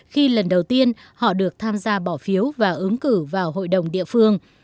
khi lần đầu tiên họ được tham gia bỏ phiếu và ứng cử vào hội đồng địa phương